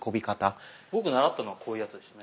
僕習ったのはこういうやつでしたね。